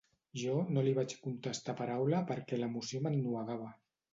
Jo no li vaig contestar paraula perquè l'emoció m'ennuegava.